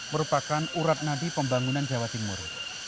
merupakan urat nadi pembangunan jawa timur